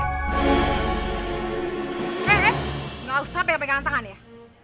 eh eh gak usah pegang pegangan tangan ya